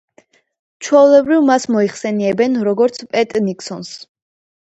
ჩვეულებრივ მას მოიხსენიებენ, როგორც პეტ ნიქსონს.